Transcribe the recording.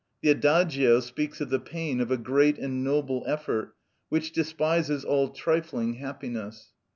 The Adagio speaks of the pain of a great and noble effort which despises all trifling happiness.